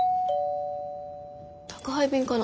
宅配便かな？